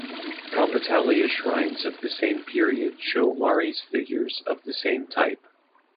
Compitalia shrines of the same period show Lares figures of the same type.